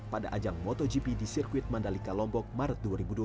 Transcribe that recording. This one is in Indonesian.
pada ajang motogp di sirkuit mandalika lombok maret dua ribu dua puluh